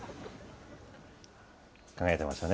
輝いてましたね。